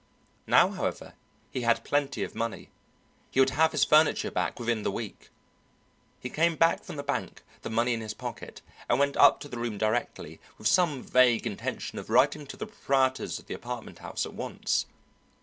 Now, however, he had plenty of money. He would have his furniture back within the week. He came back from the bank, the money in his pocket, and went up to the room directly, with some vague intention of writing to the proprietors of the apartment house at once.